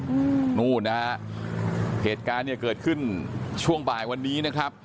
อืมนู่นนะฮะเหตุการณ์เนี่ยเกิดขึ้นช่วงบ่ายวันนี้นะครับ